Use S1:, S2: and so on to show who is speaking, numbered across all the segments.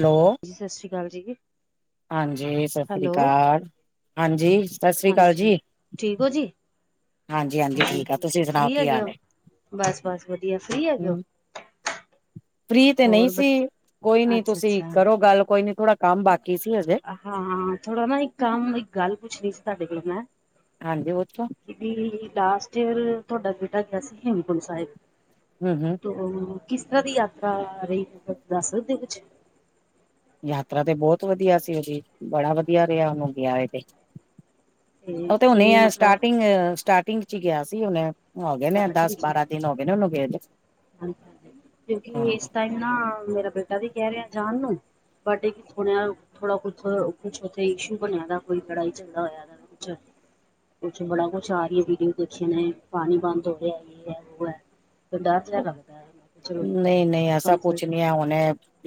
S1: Hello.
S2: ਜੀ ਸਤਿ ਸ਼੍ਰੀ ਅਕਾਲ ਜੀ।
S1: ਹਾਂਜੀ ਸਤਿ ਸ੍ਰੀ
S2: ਹੈਲੋ
S1: ਅਕਾਲ, ਹਾਂਜੀ ਸਤਿ ਸ਼੍ਰੀ ਅਕਾਲ ਜੀ।
S2: ਠੀਕ ਹੋ ਜੀ?
S1: ਹਾਂਜੀ-ਹਾਂਜੀ ਠੀਕ ਆ,
S2: ਹਾਜੀ
S1: ਤੁਸੀਂ ਸੁਣਾਓ
S2: ਫ੍ਰੀ
S1: ਕੀ ਹਾਲ
S2: ਹੈਗੇਓ,
S1: ਏ?
S2: ਬਸ ਬਸ ਵਧੀਆ, ਫ੍ਰੀ ਹੈਗੇਓ? [inaudible]
S1: ਫਰੀ ਤੇ ਨਹੀਂ ਸੀ, ਕੋਈ ਨੀ
S2: ਅੱਛਾ
S1: ਤੁਸੀਂ
S2: ਅੱਛਾ
S1: ਕਰੋ ਗੱਲ, ਕੋਈ ਨੀ ਥੋੜਾ ਕੰਮ ਬਾਕੀ ਸੀ ਹਜੇ।
S2: ਹਾਂ ਥੋੜਾ ਨਾ ਇੱਕ ਕੰਮ, ਇੱਕ ਗੱਲ ਪੁੱਛਣੀ ਸੀ ਤੁਹਾਡੇ ਕੋਲੋਂ ਮੈਂ
S1: ਹਾਂਜੀ ਪੁੱਛੋ।
S2: ਲਾਸਟ ਈਅਰ, ਤੁਹਾਡਾ ਬੇਟਾ ਗਿਆ ਸੀ ਹੇਮਕੁਟ ਸਾਹਿਬ।
S1: ਹੁ ਹੁ।
S2: ਕਿਸ ਤਰ੍ਹਾਂ ਦੀ ਯਾਤਰਾ ਰਹੀ, ਦੱਸ ਸਕਦੇ ਹੋ ਕੁਛ?
S1: ਯਾਤਰਾ ਤੇ ਬਹੁਤ ਵਧੀਆ ਸੀ ਉਹਦੀ, ਬੜਾ ਵਧੀਆ ਰਿਹਾ ਹੋ ਕੇ ਆਏ ਤੇ। ਉਹ ਤੇ ਹੁਨੇ
S2: ਕਿਵੇਂ
S1: ਆ
S2: ਮਤਲਬ
S1: ਸਟਾਰਟਿੰਗ, ਸਟਾਰਟਿੰਗ 'ਚ ਗਿਆ ਸੀ ਹੁਨੇ। ਹੋ ਗਏ ਨੇ, ਦਸ ਬਾਰਾਂ ਦਿਨ ਹੋ ਗਏ ਨੇ, ਉਹਨੂੰ ਗਏਦੇ।
S2: ਹਾਂਜੀ, ਹਾਂਜੀ ਕਿਉਂਕਿ ਇਸ ਟਾਈਮ ਨਾ ਮੇਰਾ ਬੇਟਾ ਵੀ ਕਹਿ ਰਿਹਾ ਜਾਨ ਨੂੰ ਬਟ ਇਹਥੋੜ੍ਹ ਜਹਾ ਥੋੜ੍ਹਾ ਕੁਛ, ਕੁਛ ਉੱਥੇ ਇਸ਼ੂ ਬਣਿਆ ਦਾ ਕੋਈ ਲੜਾਈ ਚਗੜਾ ਹੋਇਆ। ਅੱਛਾ। ਕੁਛ ਬੜਾ ਕੁੱਛ ਆ ਰਹੀ ਹੈ ਵੀਡੀਓ ਪਿਛੀ ਨੇ, ਪਾਣੀ ਬੰਦ ਹੋ ਰਹਾ, ਜੇ ਹੈ ਵੋ ਹੇ। ਡਰ ਜੇਹਾ ਲੱਗਦਾ। ਚਲੋ
S1: ਨਹੀਂ, ਨਹੀਂ ਐਸਾ
S2: ਕੰਸਲਟ
S1: ਕੁਛ ਨਹੀਂ ਹੈ
S2: ਕਰੀਏ
S1: ਹੁਣੇ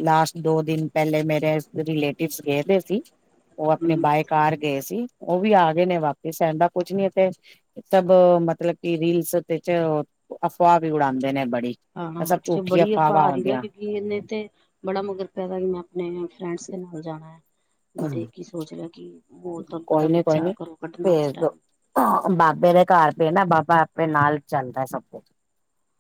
S1: ਲਾਸਟ ਦੋ ਦਿਨ ਪਹਿਲੇ ਮੇਰੇ, ਰਿਲੇਟਿਵ ਗਏਦੇ ਸੀ। ਉਹ ਆਪਣੇ
S2: ਹੂੰ
S1: ਬਾਏ ਕਾਰ ਗਏ ਸੀ, ਉਹ ਵੀ ਆ ਗਏ ਨੇ ਵਾਪਿਸ, ਐਹਿਣ ਦਾ ਕੁਝ ਨੀ ਇਥੇ ਸਭ ਮਤਲਬ, ਕਿ ਰੀਲਸ ਤੇ 'ਚ ਅਫਵਾਹ ਵੀ ਉਡਾਉਂਦੇ ਨੇ ਬੜੀ।
S2: ਹਾਂ ਹਾਂ,
S1: ਇਹ ਸਭ
S2: ਪਿਛੈ
S1: ਝੂਠੀ
S2: ਬੜੀ ਅਫਾਹ
S1: ਅਫਵਾਹਾਂ
S2: ਆ ਰਹੀ ਨਾ
S1: ਹੁੰਦੀਆਂ
S2: ਕਿਉਂਕਿ ਇਹਨੇ ਤੇ, ਬੜਾ ਮਗਰ ਪੈਦਾ ਕਿ ਮੈਂ ਆਪਣੇ ਫਰੈਂਡਸ ਦੇ ਨਾਲ ਜਾਣਾ ਹੈ। ਵਧੇ ਕੀ ਸੋਚ ਲਿਆ ਕਿ, ਹੋ ਤੁਹਾਨੂੰ ਪਤਾ ਬੱਚਾ ਕਰੋ ਕੱਢਣਾ ਇਸ ਟਾਈਮ।
S1: ਹਾਂ ਬਾਬੇ ਦੇ ਘਰ ਪ ਨਾ, ਬਾਬਾ ਆਪਣੇ ਨਾਲ ਚੱਲਦਾ ਸਭ ਕੁਛ।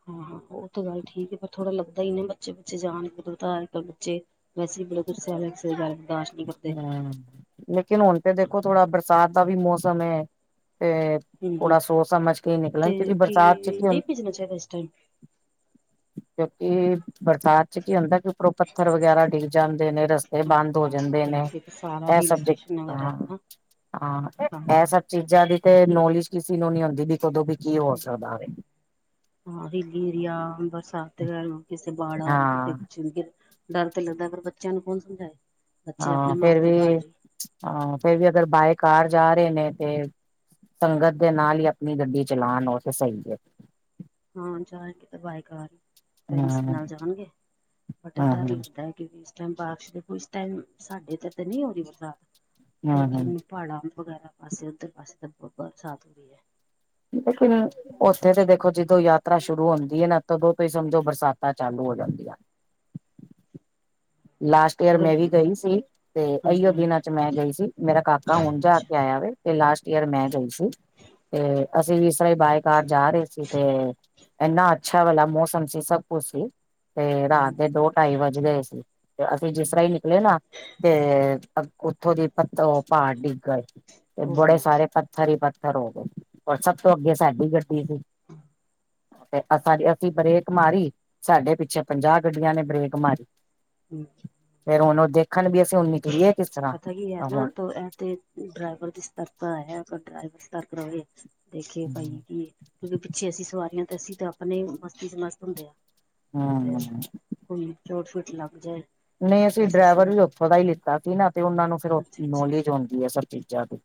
S2: ਹਾਂ ਹਾਂ ਉਹ ਤਾਂ ਗੱਲ ਠੀਕ ਹੈ, ਪਰ ਥੋੜਾ ਲੱਗਦਾ ਹੀ ਨਾ ਬੱਚੇ ਬੱਚੇ ਜਾਣ, ਕਿਧ ਤਾਂ ਅਜ ਕੱਲ੍ਹ ਬੱਚੇ ਵੈਸੇ ਮਤਲਬ ਗੁੱਸੇ ਵਾਲੇ, ਕਿਸੇ ਗਲ ਬਰਦਾਸ਼ਤ ਨਹੀਂ ਕਰਦੇ।
S1: ਹਮ। ਲੇਕਿਨ ਹੁਣ ਤੇ ਦੇਖੋ, ਥੋੜਾ ਬਰਸਾਤ ਦਾ ਵੀ ਮੌਸਮ ਹੈ ਤੇ
S2: ਹਮ
S1: ਥੋੜਾ ਸੋਚ ਸਮਝ ਕੇ ਨਿਕਲਣ, ਕਿੳ ਕਿ ਬਰਸਾਤ 'ਚ ਕੀ
S2: ਨਹੀਂ ਭੇਜਣਾ ਚਾਹੀਦਾ ਇਸ ਟਾਈਮ
S1: ਕਿਉਂਕਿ ਬਰਸਾਤ 'ਚ ਕੀ ਹੁੰਦਾ, ਕਿ ਉੱਪਰੋਂ ਪੱਥਰ ਵਗੈਰਾ ਡਿੱਗਦਾ ਜਾਂਦੇ ਨੇ, ਰਸਤੇ
S2: ਹਾਂ
S1: ਬੰਦ ਹੋ
S2: ਹਾਂ
S1: ਜਾਂਦੇ ਨੇ,
S2: ਤੇ ਸਾਰਾ
S1: ਇਹ
S2: ਹਿਲ
S1: ਸਭ
S2: ਸਟੇਸ਼ਨ ਵਗੈਰਾ ਹੈ
S1: ਦਿੱਕਤਾਂ
S2: ਨਾ
S1: ਹਾਂ, ਇਹ ਸਭ ਚੀਜ਼ਾਂ ਦੀ ਤੇ ਨੋਲੇਜ ਕਿਸੇ ਨੂੰ ਨਹੀਂ ਆਉਂਦੀ ਵੀ, ਕਦੋਂ ਵੀ ਕੀ ਹੋ ਸਕਦਾ ਵੇ।
S2: ਹਾਂ ਹਿੱਲੀ ਏਰੀਆ, ਬਰਸਾਤ ਕਿਸੇ ਬਾੜ ਆ ਰਹੀ, ਕਿਤੇ
S1: ਹਾਂ
S2: ਕੁਛ ਡਰ ਤੇ ਲੱਗਦਾ, ਪਰ ਬੱਚਿਆਂ ਨੂੰ ਕੌਣ ਸਮਝਾਏ। ਬੱਚੇ ਆਪਣੇ
S1: ਹਾਂ ਫੇਰ
S2: ਮਾਰਤੀ
S1: ਵੀ
S2: ਬਹਾਦਰੀ
S1: ਹਾਂ, ਫੇਰ ਵੀ ਅਗਰ ਬਾਏ ਕਾਰ ਜਾ ਰਹੇ ਨੇ ਤੇ ਸੰਗਤ ਦੇ ਨਾਲ ਹੀ ਆਪਣੀ ਗੱਡੀ ਚਲਾਉਣ, ਉਥੇ ਸਹੀ ਹੈ।
S2: ਹਾਂ, ਜਾਏਗਾ ਤਾਂ ਬਾਏ ਕਾਰ ਫਰੈਂਡਸ
S1: ਹਮ
S2: ਨਾਲ ਜਾਣਗੇ, ਬਟ ਡਰ
S1: ਹਮ
S2: ਲੱਗਦਾ ਹੈ ਕਿਉਕਿ ਬਾਰਿਸ਼ ਦੇ ਕੁਛ ਟਾਈਮ, ਸਾਡੇ ਇੱਧਰ ਤੇ ਨਹੀਂ ਹੋ ਰਹੀ ਬਰਸਾਤ।
S1: ਹਮ ਹਮ
S2: ਲੇਕਿਨ ਪਹਾੜਾਂ ਵਗੈਰਾ ਪਾਸੇ ਉੱਧਰ ਪਾਸੇ ਤਾਂ ਬਰਸਾਤ ਹੋ ਰਹੀ ਹੈ।
S1: ਲੇਕਿਨ ਉੱਥੇ ਤੇ ਦੇਖੋ, ਜਦੋਂ ਯਾਤਰਾ ਸ਼ੁਰੂ ਹੁੰਦੀ ਹੈ ਨਾ ਤਦੋਂ ਤੁਸੀ ਸਮਝੋ ਬਰਸਾਤਾਂ ਚਾਲੂ ਹੋ ਜਾਂਦੀਆਂ। ਲਾਸਟ ਈਅਰ ਮੈਂ ਵੀ
S2: ਹਾਂਜੀ
S1: ਗਈ ਸੀ ਤੇ ਇਹੀਓ
S2: ਹਾਂਜੀ
S1: ਦਿਨਾਂ ਚ ਮੈਂ ਗਈ ਸੀ। ਮੇਰਾ ਕਾਕਾ ਹੁਣ ਜਾ ਕੇ ਆਇਆ ਵੈ, ਤੇ ਲਾਸਟ ਈਅਰ ਮੈਂ ਗਈ ਸੀ। ਤੇ ਅਸੀਂ ਵੀ ਇਸ ਤਰਾਂ ਹੀ ਬਾਏ ਕਾਰ ਜਾ ਰਹੇ ਸੀ ਤੇ, ਇਨਾ ਅੱਛਾ ਵਾਲਾ ਮੌਸਮ ਸੀ ਸਭ ਕੁਛ ਸੀ, ਤੇ ਰਾਤ ਦੇ ਦੋ ਢਾਈ ਵੱਜ ਗਏ ਸੀ। ਤੇ ਅਸੀਂ ਜਿਸ ਤਰ੍ਹਾਂ ਹੀ ਨਿਕਲੇ ਨਾ ਤੇ ਉੱਥੋਂ ਦੀ ਪੱਤੋਂ ਪਹਾੜ ਡਿੱਗਰ, ਤੇ
S2: ਉਹ
S1: ਬੜੇ
S2: ਨਾ
S1: ਸਾਰੇ ਪੱਥਰ ਪੱਥਰ ਹੀ ਪੱਥਰ ਹੋ ਗਏ ਹੋਰ ਸਭ ਤੋਂ ਅੱਗੇ ਸਾਡੀ ਗੱਡੀ ਸੀ।
S2: [inaudible]
S1: ਤੇ ਅਸਾਂ ਅਸੀਂ ਬਰੇਕ ਮਾਰੀ ਸਾਡੇ ਪਿੱਛੇ ਪੰਜਾਹ ਗੱਡੀਆਂ ਨੇ ਬਰੇਕ ਮਾਰੀ।
S2: ਹਮ। [inaudible]
S1: ਫੇਰ ਉਹ ਦੇਖਣ, ਵੀ ਅਸੀਂ ਉਨੀ
S2: ਪਤਾ ਕੀ ਹੈ ਨਾ, ਤੋ ਇਹ ਤੇ ਡਰਾਈਵਰ ਦੀ ਸਤਰਕ ਆਏ, ਆਪ ਡਰਾਈਵਰ ਸਤਰਕ ਰਹੇ ਦੇਖੇ ਭਾਈ ਵੀ ਕਿਉਂਕਿ ਅੱਛੇ ਅਸੀਂ ਸਵਾਰੀਆਂ ਤੇ ਅਸੀਂ ਤੇ ਆਪਣੇ ਈ ਮਸਤੀ ਚ ਮਸਤ ਹੁੰਦੇ ਆਂ।
S1: ਹਮ। [inaudible]
S2: ਕੋਈ ਚੋਟ ਸ਼ੋਟ ਲੱਗ ਜਾਏ
S1: ਨਹੀਂ ਅਸੀਂ
S2: ਬਸ ਇਸੇ
S1: ਡਰਾਈਵਰ
S2: ਗੱਲ
S1: ਵੀ ਉੱਥੋਂ ਦਾ ਹੀ ਲਿੱਤਾ ਸੀ ਨਾ, ਤੇ ਉਹਨਾਂ ਨੂੰ ਫਿਰ
S2: ਅੱਛਾ
S1: ਨੌਲੇਜ ਹੋਨਦੀ ਹੈ ਸਭ ਚੀਜ਼ਾਂ ਦੀ।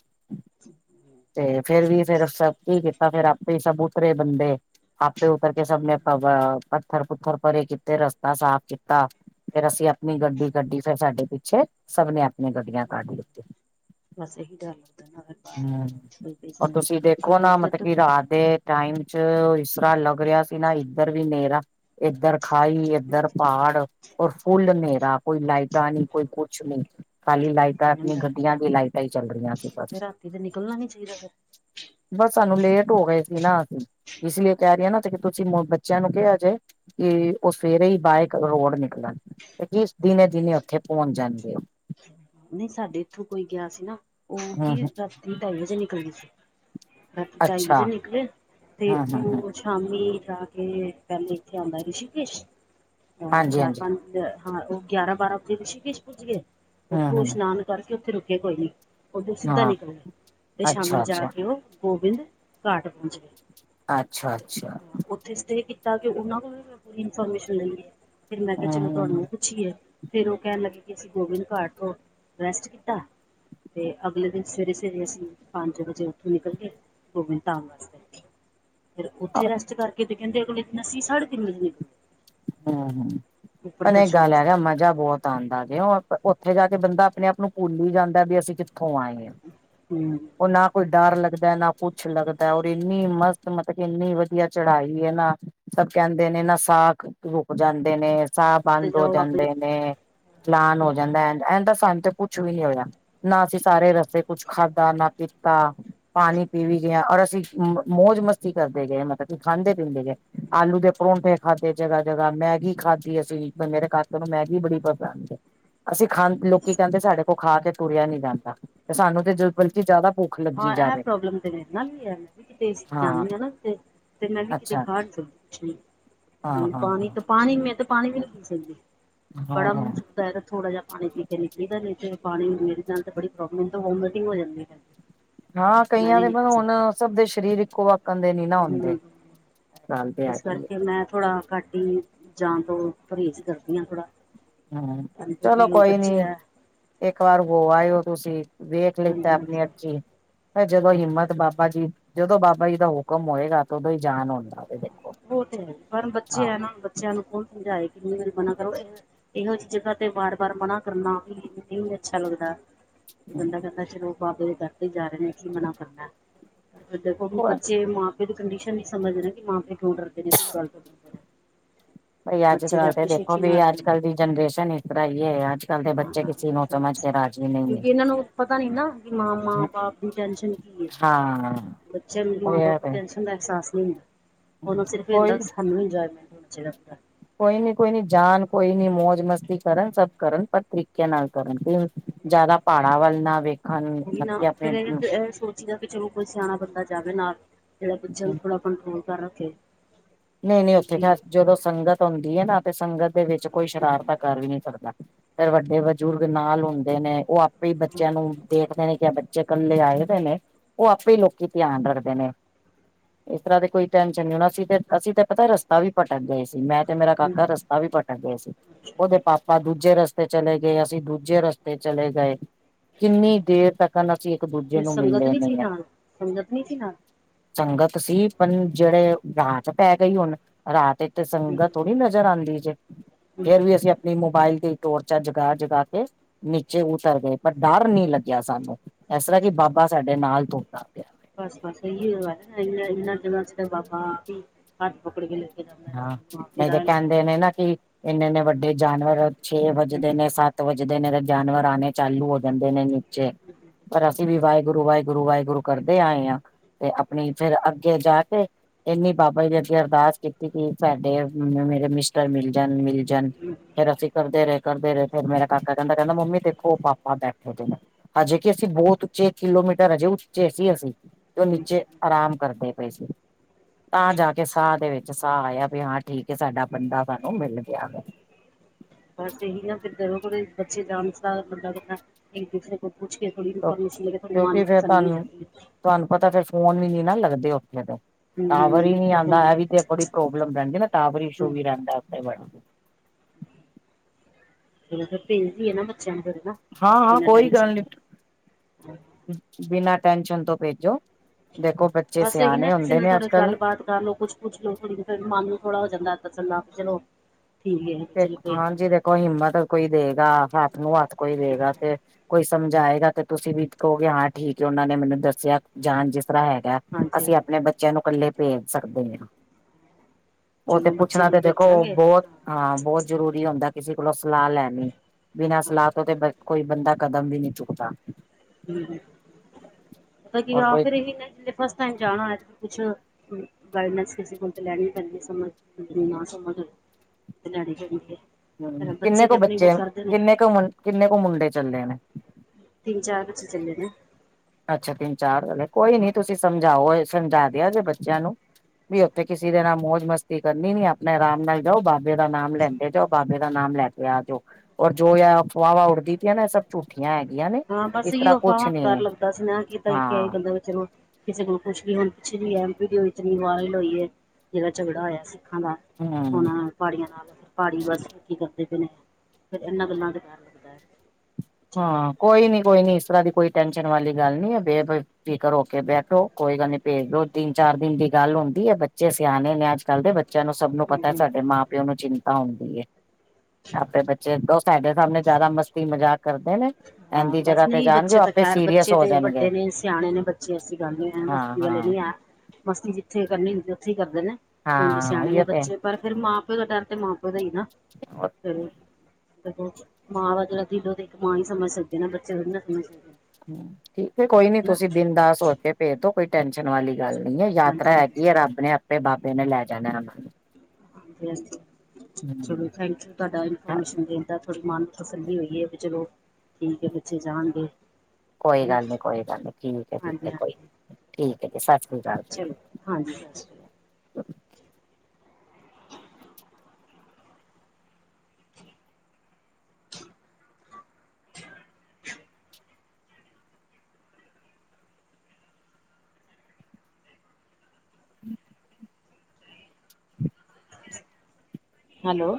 S2: ਜੀ ਹਾਂ
S1: ਤੇ ਫੇਰ ਵੀ ਫਿਰ ਐਕਸੈਪਟ ਨਹੀਂ ਕੀਤਾ, ਫਿਰ ਆਪੇ ਸਬੂਤਰੇ ਬੰਦੇ ਆਪੇ ਉੱਤਰ ਕੇ ਸਭ ਨੇ ਪੱਥਰ ਪੁੱਥਰ ਭਰੇ ਕੀਤੇ, ਰਸਤਾ ਸਾਫ ਕੀਤਾ। ਫੇਰ ਅਸੀਂ ਆਪਣੀ ਗੱਡੀ ਕੱਢੀ, ਫਿਰ ਸਾਡੇ ਪਿੱਛੇ ਸਭ ਨੇ ਆਪ ਗੱਡੀਆਂ ਕੱਢ ਉੱਥੇ,
S2: ਬਸ ਇਹੀ ਡਰ ਲੱਗਦਾ ਨਾ ਫਿਰ ਬਾਹਰ
S1: ਹੂ
S2: ਕੋਈ
S1: ਉਹ
S2: ਭੇਜਣਾ
S1: ਤੁਸੀਂ ਦੇਖੋ
S2: ਕਿਉਂਕਿ
S1: ਨਾ,
S2: ਉੱਧਰ
S1: ਮਤਲਬ
S2: ਤਾਂ
S1: ਕੀ ਰਾਤ ਦੇ ਟਾਈਮ ਚ ਇਸ ਤਰ੍ਹਾਂ ਲੱਗ ਰਿਹਾ ਸੀ ਨਾ, ਇੱਧਰ ਵੀ ਹਨੇਰਾ ਇੱਧਰ ਖਾਈ, ਇੱਧਰ ਪਹਾੜ ਹੋਰ ਫੁੱਲ ਹਨੇਰਾ, ਕੋਈ ਲਾਈਟਾ ਨਹੀਂ ਕੋਈ ਕੁਛ ਨਹੀਂ। ਖਾਲੀ ਲਾਈਟਾਂ ਆਪਣੀ
S2: ਠੰਡਾ
S1: ਗੱਡੀਆਂ ਵੀ ਲਾਈਟਾਂ ਹੀ ਚੱਲ ਰਹੀਆਂ ਸੀ ਬਸ।
S2: ਰਾਤੀ ਤੇ ਨਿਕਲਣਾ ਨੀ ਚਾਹੀਦਾ ਫਿਰ
S1: ਬਸ ਸਾਨੂੰ ਲੇਟ ਹੋ ਗਏ ਸੀ ਨਾ ਅਸੀਂ ਇਸ ਲਈ ਕਹਿ ਰਹੇ ਹਾਂ ਨਾ ਤੇ ਤੁਸੀਂ ਬੱਚਿਆਂ ਨੂੰ ਕਿਹਾ ਜੇ, ਕਿ ਉਹ ਸਵੇਰੇ ਹੀ ਬਾਏ ਰੋਡ ਨਿਕਲਣ। ਐਟ ਲੀਸਟ ਦਿਨੇ ਦਿਨੇ ਉੱਥੇ ਪਹੁੰਚ ਜਾਂਦੇ ਹੋ।
S2: ਨਹੀਂ ਸਾਡੇ ਇੱਥੋਂ ਕੋਈ ਗਿਆ ਸੀ ਨਾ, ਉਹ
S1: ਹਮ
S2: ਕੀ
S1: ਹਮ
S2: ਰਾਤੀ ਢਾਈ ਵੱਜੇ ਨਿਕਲਦੀ ਸੀ। ਰਾਤੀ ਢਾਈ ਵੱਜੇ
S1: ਅੱਛਾ
S2: ਨਿਕਲੇ ਤੇ
S1: ਹਮ ਹਮ ਹਮ
S2: ਉਹ ਸ਼ਾਮੀ ਰਾਤ ਕਿ ਪਹਿਲੇ ਇੱਥੇ ਆਉਂਦਾ ਰਿਸ਼ਕੇਸ਼, ਅਹ
S1: ਹਾਂਜੀ
S2: ਚਾਰ
S1: ਹਾਂਜੀ
S2: ਪੰਜ ਹਾਂ ਉਹ ਗਿਆਰਾਂ ਬਾਰਾਂ ਵਜੇ ਕੁਸ਼ੀਕੇਸ਼ ਪੁੱਜ ਗਏ,
S1: ਹਮ
S2: ਉੱਥੋਂ
S1: ਹਮ
S2: ਇਸ਼ਨਾਨ ਕਰਕੇ ਉੱਥੇ ਰੁਕੇ ਕੋਈ ਨੀ ਉਦੋਂ ਸਿੱਧਾ
S1: ਹਾਂ
S2: ਨਿਕਲ ਗਏ, ਤੇ ਸ਼ਾਮੀ
S1: ਅੱਛਾ
S2: ਜਾ
S1: ਅੱਛਾ
S2: ਕੇ ਉਹ ਗੋਬਿੰਦ ਘਾਟ ਪਹੁੰਚ ਗਏ।
S1: ਅੱਛਾ -ਅੱਛਾ
S2: ਇਸ ਤੇ ਏ ਕੀਤਾ ਉਹਨਾਂ ਤੋਂ ਵੀ ਮੈਂ ਪੂਰੀ ਇਨਫੋਰਮੇ ਲੈ ਲੀ, ਫਿਰ ਮੈਂ ਕਿਹਾ, ਚਲੋ
S1: ਹੂੰ-ਹੂੰ-ਹੂੰ
S2: ਤੁਹਾਨੂੰ ਪੁੱਛੀਏ ਫਿਰ ਉਹ ਕਹਿਣ ਲੱਗੀ, ਕਿ ਅਸੀਂ ਗੋਬਿੰਦ ਘਾਟ ਤੋਂ ਰੈਸਟ ਕੀਤਾ। ਤੇ ਅਗਲੇ ਦਿਨ ਸਵੇਰੇ -ਸਵੇਰੇ ਅਸੀਂ ਪੰਜ ਵਜੇ ਉੱਥੋਂ ਨਿਕਲ ਗਏ, ਗੋਬਿੰਦ ਧਾਮ ਵਾਸਤੇ ਫਿਰ ਉੱਥੇ ਰੈਸਟ ਕਰਕੇ ਤੇ ਕਹਿੰਦੇ, ਅਗਲੇ ਦਿਨ ਅਸੀ ਸਾਢੇ ਕਿੰਨੋ ਦਿਨ ਵਜੇ ਨਿਕਲੇ -
S1: ਹਮ ਹਮ, ਪਰ ਇਕ ਗੱਲ
S2: ਵਾਸਤੇ
S1: ਹੈਗਾ ਮਜਾ ਬਹੁਤ ਆਉਂਦਾ ਜੇ, ਉੱਥੇ ਜਾ ਕੇ ਬੰਦਾ ਆਪਣੇ ਆਪ ਨੂੰ ਭੁੱਲ ਹੀ ਜਾਂਦਾ ਵੀ ਅਸੀਂ ਕਿੱਥੋਂ ਆਏ
S2: ਹੂੰ
S1: ਉਹ ਨਾ ਕੋਈ ਡਰ ਲੱਗਦਾ, ਨਾ ਕੁੱਛ ਲੱਗਦਾ, ਔਰ ਇੰਨੀ ਮਸਤ ਮਤਲਬ ਕਿ ਇੰਨੀ ਵਧੀਆ ਚੜਾਈ ਹੈ ਨਾ ਸ ਕਹਿੰਦੇ ਨੇ ਨਾ ਸਾਹ ਰੁਕ ਜਾਂਦੇ ਨੇ, ਸਾਹ
S2: ਤੇ
S1: ਬੰਦ ਹੋ
S2: ਜਾਓ ਆਪੇ
S1: ਜਾਂਦੇ ਨੇ ਚਲਾਨ ਹੋ ਜਾਂਦਾ ਐ, ਐਂ ਤਾਂ ਸਾਨੂੰ ਤੇ ਕੁੱਛ ਵੀ ਨਹੀਂ ਹੋਇਆ। ਨਾ ਅਸੀਂ, ਸਾਰੇ ਰਸਤੇ ਕੁਛ ਖਾਧਾ ਨਾ ਪੀਤਾ। ਪਾਣੀ ਪੀ ਵੀ ਗਏ ਹਾਂ, ਔਰ ਅਸੀਂ ਮੌਜ ਮਸਤੀ ਕਰਦੇ ਗਏ, ਹਾਂ ਮਤਲਬ ਕਿ ਖਾਂਦੇ ਪੀਂਦੇ ਗਏ ਆਲੂ ਦੇ ਪਰੌਂਠੇ ਖਾਧੇ ਜਗ੍ਹਾ -ਜਗ੍ਹਾ ਮੈਗੀ ਖਾਧੀ ਅਸੀਂ, ਮੇਰੇ ਕਾਕੇ ਨੂੰ ਮੈਗੀ ਬੜੀ ਪਸੰਦ ਹੈ। ਅਸੀਂ ਖਾ ਲੋਕੀ ਕਹਿੰਦੇ, ਸਾਡੇ ਕੋਲ ਖਾ ਤੇ ਤੁਰਿਆ ਨੀ ਜਾਂਦਾ। 'ਤੇ ਸਾਨੂੰ ਤੇ 'ਜ ਬਲਕੀ ਜ਼ਿਆਦਾ ਭੁੱਖ
S2: ਹਾ
S1: ਲੱਗੀ
S2: ਇਹ
S1: ਜਾਵੇ
S2: ਪ੍ਰੋਬਲਮ ਤੇ ਮੇਰੇ ਨਾਲ ਹੀ ਹੈ, ਮ ਕਿ
S1: ਹਾਂ
S2: ਜਾਂਦੀ ਹ ਨਾ ਤੇ ਨ ਵੀ ਕਿਤੇ
S1: ਅੱਛਾ
S2: ਖਾਾਰ ਤੋਂ
S1: ਹਾਂ
S2: ਨਹੀਂ
S1: ਹਾਂ
S2: ਪਾਣੀ
S1: ਹਾਂ
S2: ਤਾਂ ਪਾਣੀ, ਮੈਂ ਤਾਂ ਪਾਣੀ ਵੀ ਨਹੀਂ ਪੀ ਸਕਦੀ। ਬੜਾ ਮੁੰਹ
S1: ਹਾਂ
S2: ਸੁਕਦਾ ਹੈਗਾ, ਥੋੜਾ ਜਿਹਾ ਪਾਣੀ ਨਿਕਲੀਦਾ ਨੀ ਤੇ ਪਾਣੀ, ਮੇਰੀ ਨਾਲ ਤੇ ਬੜੀ ਪ੍ਰੋਬਲਮ ਵੋਮੀਟਿੰਗ ਹੋ ਜਾਂਦੀ
S1: ਹਾਂ
S2: ਮੈਂ
S1: ਕਈਆਂ
S2: ਨਹੀਂ
S1: ਦੇ
S2: ਨਿਕਲ
S1: ਬਣਾ ਹਣ, ਸਭ ਦੇ ਸਰੀਰ ਇੱਕੋ ਵ
S2: ਹਮ,
S1: ਤੇ
S2: ਇਸ
S1: ਹੈਗੀ ਏ।
S2: ਕਰਕੇ ਮੈਂ ਥੋੜਾ ਘੱਟ ਹੀ ਜਾਂ ਤੋਂ ਪਰਹੇਜ਼ ਕਰਦੀ ਹ, ਥੋੜ੍ਹਾ
S1: ਹਮ,
S2: ਪਰ ਫਿਰ
S1: ਚਲੋ
S2: ਵੀ ਹੁਣ
S1: ਕੋਈ ਨੀ
S2: ਬੱਚੇ ਹੈ
S1: ਇੱਕ ਵਾਰ ਹੋ ਆਇੳ ਤੁਸੀਂ, ਵੇਖ
S2: ਹਾਂਜੀ
S1: ਲਿੱਤਾ ਆਪਣੀ
S2: ਹਾਂਜੀ
S1: ਅੱਖੀ ਫ ਜਦੋਂ
S2: ਹਾਂ
S1: ਹਿੰਮਤ ਬਾਬਾ ਜੀ, ਜਦੋਂ ਬਾਬਾ ਜੀ ਦਾ ਹੁਕਮ ਹੋਏਗਾ, ਤੇ ਉਦੋਂ ਹੀ ਜਾਨ ਹੁੰਦਾ ਦੇਖੋ
S2: ਉਹ ਤੇ ਹੈ ਈ, ਪਰ ਬੱਚੇ ਆ
S1: ਹਾਂ
S2: ਨਾ, ਬੱਚਿਆਂ ਨੂੰ ਕੌਣ ਸਮਝਾਏ, ਕਿ ਮੇਰੇ ਮਨਾ ਕਰੋ ਇਹ ਇਹੋ ਜਿਹੀ ਜਗ੍ਹਾ ਤੇ ਵਾਰ- ਵਾਰ ਮਨਾ ਕਰਨਾ, ਵੀ ਨ ਅੱਛਾ ਲੱਗਦਾ। ਬੰਦਾ ਕਹਿੰਦਾ, ਬਾਬੇ ਦੇ ਦਰ ਤੇ ਜਾ ਰਹੇ ਨੇ, ਕੀ ਮਨਾ ਕਰਨਾ। ਦੇਖੋ,
S1: ਕੋਈ
S2: ਬੱਚੇ ਮਾਂ ਪੇ ਦੀ ਕੰਡੀਸ਼ਨ ਨੀ ਸਮਝਦੇ ਨਾ, ਕਿ ਮਾਂ ਪੇ ਕਿਉਂ ਡਰਦੇ ਨੇ ਕਿਸ ਗੱਲ ਤੋਂ ਨੇ।
S1: ਬਈ ਅੱਜ
S2: ਬੱਚੇ
S1: ਕੱਲ ਤੇ
S2: ਆਪਣੀ
S1: ਦੇਖੋ,
S2: ਸ਼ੇਖੀ
S1: ਵੀ
S2: ਮਾਰਦੇ
S1: ਅੱਜ
S2: ਨੇ
S1: ਕੱਲ ਦੀ ਜਨਰੇਸ਼ਨ ਇਸ ਤਰ੍ਹਾਂ ਹੀ ਹੈ, ਅੱਜ ਕੱਲ੍ਹ ਦੇ ਬੱਚੇ ਕਿਸੇ ਨੂੰ ਸਮਝ ਕੇ ਰਾਜੀ ਨਹੀਂ
S2: ਕਿਉਂਕਿ, ਇਹਨਾਂ ਨੂੰ ਪਤਾ ਨੀ ਨਾ, ਕਿ ਮਾਂ- ਮਾਂ
S1: ਹੈ
S2: ਬਾਪ ਦੀ ਟੈਸ਼ਨ ਕੀ ਹੈ।
S1: ਹਾਂ
S2: ਬੱਚਿਆਂ ਮਾਂ
S1: ਉਹੀ
S2: ਬਾਪ
S1: ਹੈ ਤੇ
S2: ਟੈਨਸ਼ਨ ਦਾ ਅਹਿਸਾਸ ਨਹੀਂ ਹੁੰਦਾ, ਉਹਨੂੰ ਸਿਰਫ
S1: ਕੋਈ
S2: ਇਹਦਾ ਸਾਨੂੰ ਇੰਜੋਏਮੈਂ ਬੱਚੇ ਦਾ
S1: ਕੋਈ ਨੀ, ਕੋਈ ਨੀ ਜਾਨ ਕੋਈ ਨੀ, ਮੌਜ ਮਸਤੀ ਕਰਨ, ਸਭ ਕਰਨ ਪਰ ਤਰੀਕਿਆਂ ਨਾਲ ਕਰਨ ਜ਼ਿਆਦਾ ਪੜਾਂ ਵੱਲ ਨਾ ਵੇਖ
S2: ਹੀ ਨਾ, ਫਿਰ ਇਹ ਸੋਚ ਸੀਗਾ ਕਿ ਚਲੋ ਕੋਈ ਸਿਆਣਾ ਬੰਦਾ ਜਾਵੇ ਨਾਲ, ਜਿਹੜਾ ਬੱਚਿਆਂ ਨੂੰ ਥੋੜਾ ਕੰਟਰੋਲ ਕਰ ਰੱਖੇ।
S1: ਨਹੀਂ -ਨਹੀਂ ਉੱਥੇ ਖੈਰ ਜਦੋਂ ਸੰਗਤ ਆਉਂਦੀ ਹੈ ਨਾ, ਤੇ ਸੰਗਤ ਦੇ ਵਿੱਚ ਕੋਈ ਸ਼ਰਾਰਤਾ ਕਰ ਵੀ ਨੀ ਸਕਦਾ, ਫਿਰ ਵੱਡੇ ਬਜ਼ੁਰਗ ਨਾਲ ਹੁੰਦੇ ਨੇ ਉਹ ਆਪ ਆਪੇ ਬੱਚਿਆਂ
S2: ਕਿਉਂਕਿ
S1: ਨੂੰ ਦੇਖਦੇ ਨੇ ਜਾਂ ਬੱਚੇ ਇਕੱਲੇ ਆਏਦੇ ਨੇ, ਉਹ ਆਪੇ ਲੋਕੀ ਧਿਆਨ ਰੱਖਦੇ ਨੇ ਇਸ ਤਰ੍ਹਾਂ ਤੇ ਕੋਈ ਟੈਨਸ਼ਨ ਨੀ ਹੋਣਾ ਸੀ, ਤੇ ਅਸੀਂ ਤਾਂ ਪਤਾ ਰਸਤਾ ਵੀ ਭਟਕ ਗਏ ਸੀ, ਮੈਂ ਤੇ ਮੇਰਾ ਕਾਕਾ ਰਸਤਾ ਰਸਤਾਂ ਵੀ ਪਟਕ ਗ ਸੀ ਉਹਦੇ ਪਾਪਾ ਦੂਜੇ ਰਸਤੇ ਚਲੇ ਗਏ, ਅਸੀਂ ਦੂਜੇ ਰਸਤੇ ਚਲੇ ਗਏ। ਕਿੰਨੀ ਦੇਰ ਤਕ, ਅਸੀਂ ਇੱਕ ਦੂਜੇ ਨੂੰ
S2: ਸੰਗਤ
S1: ਮਿਲੇ
S2: ਨਹੀਂ ਸੀ
S1: ਨਈ
S2: ਨਾਲ ਸੰਗਤ ਨਹੀਂ ਸੀ
S1: ਸੰਗਤ ਸੀ, ਪਰ ਜਿਹੜੇ ਰਾਤ ਪੈ ਗਈ ਹੁਣ ਰਾਤ ਤੇ ਸੰਗਤ
S2: ਨਾਲ
S1: ਥੋੜੀ ਨਜ਼ਰ ਆਂਦੀ ਜੇ, ਫੇਰ ਵੀ ਅਸੀਂ ਆਪਣੇ ਮੋਬਾਇਲ ਦੀ ਟੋਰਚਾ, ਜਗਾ ਜਗਾ ਕੇ ਨੀਚੇ ਉਤਰ ਗਏ ਪਰ ਡਰ ਨੀ ਲੱਗਿਆ ਸਾਨੂੰ, ਇਸ ਤਰ੍ਹਾਂ ਕਿ ਬਾਬਾ ਸਾਡੇ ਨਾਲ ਤੁਰਦਾ ਪਿਆ।
S2: ਬਸ- ਬਸ ਇਹੀ ਓ ਹੈ, ਇਹਨਾਂ ਦਿਨਾਂ ਚ ਤਾਂ ਬਾਬਾ ਆਪ ਹੀ ਹੱਥ ਪਕੜ ਕੇ ਲੈ ਕੇ ਜਾਂਦਾ
S1: ਹਾਂ
S2: ਇਨਸਾਨ ਨੂੰ ਆਪ ਹੀ
S1: ਨਹੀਂ ਤੇ
S2: ਰਾਹ ਲਾਉਂਦਾ।
S1: ਕਹਿੰਦੇ ਨੇ ਨਾ ਕਿ ਇੰਨੇ- ਇੰਨੇ ਵੱਡੇ ਜਾਨਵਰ ਛੇ ਵੱਜਦੇ ਨੇ ਸੱਤ ਵੱਜਦੇ ਨੇ ਤੇ ਜਾਨਵਰ ਆਣੇ ਚਾਲੂ ਹੋ ਜਾਂਦੇ ਨੇ ਨੀਚੇ।
S2: [unintelligible]
S1: ਪਰ ਅਸੀਂ ਵੀ ਵਾਹਿਗੁਰੂ, ਵਾਹਿਗੁਰੂ, ਵਾਹਿਗੁਰੂ ਕਰਦੇ ਆਏ ਆ। ਤੇ ਆਪਣੀ ਫੇਰ ਅੱਗੇ ਜਾ ਕੇ ਏਨੀ ਬਾਬਾ ਜੀ ਅੱਗੇ ਅਰਦਾਸ ਕੀ ਕੀਤੀ, ਸਾਡੇ ਮੇਰੇ ਮਿਸਟਰ ਮਿਲ ਜਾਣ- ਮਿਲ ਜਾਣ ਫੇਰ ਅਸੀਂ ਕਰਦੇ ਰਹੇ- ਕਰਦੇ ਰਹੇ, ਫੇਰ ਮੇਰਾ ਕਾਕਾ ਕਹਿੰਦਾ ਕਹਿੰਦਾ ਮੰਮੀ ਦੇਖੋ ਪਾਪਾ ਬੈਠੇ ਦੇ ਨੇ। ਹਜੇ ਕੀ ਅਸੀਂ ਬਹੁਤ ਉੱਚੇ ਕਿਲੋਮੀਟਰ ਹਜੇ ਉੱਚੇ ਸੀ ਅਸੀਂ। ਤੇ ਨੀਚੇ ਆਰਾਮ ਕਰਦੇ ਪਏ ਸੀ, ਤਾਂ ਜਾ ਕੇ ਸਾਹ ਦੇ ਵਿੱਚ ਸਾਹ ਆਇਆ ਵੀ ਹਾਂ ਠੀਕ ਹੈ ਸਾਡਾ ਬੰਦਾ ਸਾਨੂੰ ਮਿਲ ਗਿਆ ਵੇ।
S2: ਬਸ ਇਹੀ ਨਾ ਫੇਰ ਜਦੋਂ ਕਿਤੇ ਬੱਚੇ ਜਾਣ ਪਛਾਣ ਬੰਦਾ ਇੱਕ ਦੂਸਰੇ ਕੋਲੋ ਪੁੱਛ ਕੇ ਥੋੜੀ ਇਨਫੋਮੇਸ਼ਨ ਲੈ ਕੇ ਥੋੜੀ ਮਨ ਨੂੰ
S1: ਕਿਉਂਕਿ ਫੇਰ
S2: ਤਸੱਲੀ ਹੋ
S1: ਤੁਹਾਨੂੰ
S2: ਜਾਂਦੀ ਏ।
S1: ਤੁਹਾਨੂੰ ਪਤਾ ਫੇਰ ਫੋਨ ਵੀ ਨੀ ਨਾ ਲੱਗਦੇ ਉੱਥੇ ਦੇ। ਟਾਵਰ ਹੀ
S2: ਹੂੰ
S1: ਨੀ
S2: ਤਾਂ
S1: ਆਂਦਾ
S2: ਹੁਣ
S1: ਐਵੀ ਤੇ ਬੜੀ ਪ੍ਰੋਬਲਮ ਰਹਿੰਦੀ ਨਾ ਟਾਵਰ ਇਸ਼ੂ ਵੀ ਰਹਿੰਦਾ ਉੱਥੇ ਬੜਾ।
S2: ਫੇਰ ਔਥੇ ਭੇਜ ਦੀਆ ਨਾ ਬੱਚਿਆਂ ਨੂੰ ਫੇਰ ਨਾ।
S1: ਹਾਂ- ਹਾਂ
S2: ਬਿਨਾਂ
S1: ਕੋਈ ਗੱਲ
S2: ਟੈਨਸ਼ਨ
S1: ਨੀ, ਬਿਨਾਂ ਟੈਨਸ਼ਨ ਤੋਂ ਭੇਜੋ। ਦੇਖੋ ਬੱਚੇ
S2: ਬਸ ਇਹੀ ਨਾ
S1: ਸਿਆਣੇ
S2: ਕਿਸੇ
S1: ਹੁੰਦੇ
S2: ਨਾਲ
S1: ਨੇ ਅੱਜ
S2: ਥੋੜਾ
S1: ਕੱਲ
S2: ਗੱਲਬਾਤ ਕਰ ਲਓ ਕੁੱਛ ਪੁੱਛ ਲਓ ਥੋੜੀ ਮਨ ਨੂੰ ਥੋੜਾ ਹੋ ਜਾਂਦਾ ਤਸੱਲਾ ਚਲੋ ਠੀਕ ਹੈ
S1: ਤੇ
S2: ਚਲੋ ਭੇਜ ਦਿੰਦੇ
S1: ਹਾਂਜੀ
S2: ਆ
S1: ਦੇਖੋ ਹਿੰਮਤ ਕੋਈ ਦੇਗਾ ਹੱਥ ਨੂੰ ਹੱਥ ਕੋਈ ਦੇਗਾ ਤੇ ਕੋਈ ਸਮਝਾਏਗਾ ਤੇ ਤੁਸੀਂ ਵੀ ਕਹੋਗੇ ਹਾਂ ਠੀਕ ਏ ਉਹਨਾਂ ਨੇ ਮੈਨੂੰ ਦੱਸਿਆ, ਜਾਨ ਜਿਸ ਤਰਾਂ ਹੈਗਾ।
S2: ਹਾਂਜੀ ਹਾਂਜੀ।
S1: ਅਸੀਂ ਆਪਣੇ
S2: ਹਾਂਜੀ।
S1: ਬੱਚਿਆਂ ਨੂੰ ਇਕੱਲੇ ਭੇਜ ਸਕਦੇ ਨੇ ਓਹ। ਉਹ ਤੇ
S2: ਚਲੋ ਬੱਚਿਆਂ
S1: ਪੁੱਛਣਾ
S2: ਨੂੰ
S1: ਤੇ ਦੇਖੋ
S2: ਭੇਜਾਂਗੇ ਹੂੰ
S1: ਬੋਤ ਹਾਂ ਬਹੁਤ ਜ਼ਰੂਰੀ ਹੁੰਦਾ ਕਿਸੇ ਕੋਲੋਂ ਸਲਾਹ ਲੈਣੀ, ਬਿਨਾਂ ਸਲਾਹ ਤੋਂ ਤੇ ਬ ਕੋਈ ਬੰਦਾ ਕਦਮ ਵੀ ਨੀ ਚੁੱਕਦਾ।
S2: ਹੂੰ-ਹੂੰ ਪਤਾ ਕੀ
S1: ਔਰ ਕੋਈ
S2: ਆਖਰੀ ਇਹੀ ਨੇ ਤੇ ਫਸਟ ਟਇਮ ਜਾਣਾ ਹੈ ਕੁਛੋ। ਗਾਈਡਨੈਂਸ ਕਿਸੇ ਕੋਲ ਤੇ ਲੈਣੀ ਪੈਂਦੀ ਸਮਝ ਨਾ ਸਮਝ ਤੇ ਲੈਣੀ ਕਿਹੜੀ ਹੈਗੀ ਏ।
S1: ਹੂੰ, ਕਿੰਨੇ ਕੁ ਬੱਚੇ ਆ, ਕਿੰਨੇ ਕੁ ਮੁ ਕਿੰਨੇ ਕੁ ਮੁੰਡੇ ਚੱਲੇ ਨੇ?
S2: ਤਿੰਨ ਚਾਰ ਬੱਚੇ ਚੱਲੇ ਨੇ।
S1: ਅੱਛਾ ਤਿੰਨ- ਚਾਰ ਚੱਲੇ, ਕੋਈ
S2: ਹਾਂ।
S1: ਨੀ ਤੁਸੀਂ ਸਮਝਾਓ ਸਮਝਾ ਦਿਆ ਜੇ ਬੱਚਿਆਂ ਨੂੰ। ਵੀ ਉੱਥੇ ਕਿਸੇ ਦੇ ਨਾਲ ਮੌਜ ਮਸਤੀ ਕਰਨੀ ਨੀ, ਆਪਣੇ ਆਰਾਮ ਨਾਲ ਜਾਓ, ਬਾਬੇ ਦਾ ਨਾਮ ਲੈਂਦੇ ਜਾਓ ਬਾਬੇ ਦਾ ਨਾਮ ਲੈ ਕੇ ਆ ਜਾਓ, ਔਰ ਜੋ ਇਹ ਅਫ਼ਵਾਹਾਂ ਉੱਡਦੀ ਪਏ ਏ ਨਾ ਏ ਸਭ ਝੂਠੀਆਂ ਹੈਗੀਆਂ ਨੇ,
S2: ਹਾਂ
S1: ਇਸ ਤਰਾਂ ਕੁਛ ਨੀ ਏ।
S2: ਬਸ ਮੈਂ ਕੀਤਾ ਕੀ ਆਏ ਬੰਦਾ ਚਲੋ ਕਿਸੇ ਕੋਲ ਪੁੱਛ ਲਈਏ ਹੁਣ ਪਿੱਛੇ ਜਿਹੇ ਐਮ ਪੀ ਵਿੱਚ ਵੀਡੀਓ ਕਿੰਨੀ ਵਾਇਰਲ ਹੋਈ ਏ। ਜਿਹੜਾ ਝਗੜਾ ਹੋਇਆ ਸਿੱਖਾਂ ਦਾ।
S1: ਹੂੰ।
S2: ਹਾ ਪਹਾੜੀਆਂ ਨਾਲ ਪਹਾੜੀ ਬਸ ਕੀ ਕਰਦੇ ਪਏ ਨੇ, ਫੇਰ ਇਹਨਾਂ ਗੱਲਾਂ ਦੇ ਡਰ ਲਗਦਾ ਏ।
S1: ਹਾਂ, ਕੋਈ ਨੀ- ਕੋਈ ਨੀ ਇਸ ਤਰਾ ਦੀ ਕੋਈ ਟੈਂਸ਼ਨ ਵਾਲੀ ਗੱਲ ਨੀ ਬੇਪਰ ਬੇਫ਼ਿਕਰ ਹੋ ਕੇ ਬੈਠੋ, ਕੋਈ ਗੱਲ ਨੀ ਭੇਜ ਦੋ ਤਿੰਨ- ਚਾਰ ਦਿਨ ਦੀ ਗੱਲ ਹੁੰਦੀ ਐ ਬੱਚੇ ਸਿਆਣੇ ਨੇ ਅੱਜ- ਕੱਲ ਬੱਚਿਆਂ ਨੂੰ ਸਭ ਨੂੰ ਪਤਾ ਏ, ਸਾਡੇ ਮਾਂ ਪਿਓ ਨੂੰ ਚਿੰਤਾ ਹੁੰਦੀ ਏ। ਆਪੇ ਬੱਚੇ ਓ ਸਾਡੇ ਸਾਹਮਣੇ ਜ਼ਿਆਦਾ ਮਸਤੀ ਮਜ਼ਾਕ ਕਰਦੇ ਨੇ।
S2: ਹਾਂ
S1: ਐਦੀ ਜਗ੍ਹਾ
S2: ਬਸ
S1: ਤੇ
S2: ਨਹੀਂ
S1: ਜਾਣਗੇ
S2: ਬੱਚੇ ਤਾਂ
S1: ਆਪੇ
S2: ਖੈਰ
S1: ਸੀਰੀਅਸ
S2: ਬੱਚੇ
S1: ਹੋ
S2: ਤੇ
S1: ਜਾਣਗੇ
S2: ਵੱਡੇ ਨੇ, ਸਿਆਣੇ ਨੇ ਬੱਚੇ ਐਸੀਂ ਗੱਲ ਨੀ ਐ।
S1: ਹਾਂ
S2: ਗੱਲ
S1: ਹਾਂ
S2: ਏਹੀ ਐ, ਮਸਤੀ ਜਿੱਥੇ ਕਰਨੀ ਹੁੰਦੀ ਉੱਥੇ ਕਰਦੇ ਨੇ, ਹੁਣ ਦੇ
S1: ਹਾਂ
S2: ਸਿਆਣੇ
S1: ਉਹੀ
S2: ਨੇ
S1: ਤੇ
S2: ਬੱਚੇ। ਪਰ ਫੇਰ ਮਾਂ-ਪਿਓ ਦਾ ਡਰ ਤੇ ਮਾਂ-ਪੋ ਦਾ ਈ ਏ ਨਾ।
S1: [unintelligible]
S2: ਜਰੁਰ ਦੇਖੋ ਮਾਂ ਦਾ ਜੇੜਾ ਦਿਲ ਏ ਓ ਤੇ ਇੱਕ ਮਾਂ ਹੀ ਸਮਝ ਸਕਦੀ ਏ ਨਾ ਬੱਚੇ ਥੋੜੇ ਨਾ ਸਮਝ ਸਕਦੇ।
S1: ਹੂੰ ਠੀਕ ਏ ਕੋਈ ਨੀ
S2: ਹਨਾ
S1: ਤੁਸੀਂ ਬਿਨਦਾਸ ਹੋ ਕੇ ਪੇਜ ਦੋ ਕੋਈ ਟੈਨਸ਼ਨ ਵਾਲੀ ਗੱਲ ਨੀ ਐ ਯਾਤਰਾ
S2: ਹਾਂਜੀ
S1: ਹੈਗੀ ਏ
S2: ਹਾਂਜੀ
S1: ਰੱਬ ਨੇ ਆਪੇ ਬਾਬੇ ਨੇ ਲੈ ਜਾਣਾ ਐਨਾ ਨੂੰ।
S2: ਹਾਂਜੀ-ਹਾਂਜੀ ਚਲੋ
S1: ਨੂੰ
S2: ਥੈਂਕ ਯੂ। ਤੁਆਡਾ ਇਨਫੋਰਮੇਸ਼ਨ ਦੇਣ ਦਾ ਥੋੜ੍ਹੀ ਮਨ ਨੂੰ ਤਸੱਲੀ ਹੋਈਏ ਵੀ ਚਲੋ ਠੀਕ ਏ ਬੱਚੇ ਜਾਣਗੇ।
S1: ਕੋਈ
S2: ਹਨਾ
S1: ਗੱਲ ਨੀ-ਕੋਈ ਗੱਲ ਨੀ, ਠੀਕ ਏ-ਠੀਕ ਏ
S2: ਹਾਂਜੀ
S1: ਕੋਈ
S2: ਹਾਂਜੀ
S1: ਨੀ ਠੀਕ ਏ ਸਾਸ ਸ੍ਰੀ ਕਾਲ।
S2: ਚਲੋ ਹਾਂਜੀ [unintelligible] [unintelligible]
S1: [inaudible] [inaudible]
S2: ਹੈਲੋ